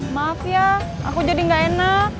maaf ya aku jadi gak enak